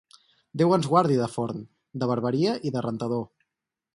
Déu ens guardi de forn, de barberia i de rentador.